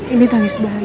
ini tangis bahagia